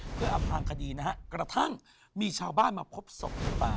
เพื่ออำพางคดีนะฮะกระทั่งมีชาวบ้านมาพบศพในป่า